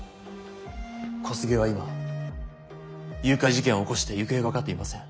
小菅は今誘拐事件を起こして行方が分かっていません。